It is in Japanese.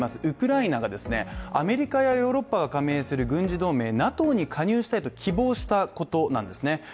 ウクライナがアメリカやヨーロッパが加盟する軍事同盟＝ＮＡＴＯに加入したいと希望したことなんですね。